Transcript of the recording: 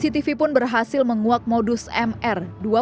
cctv pun berhasil menguak modus mr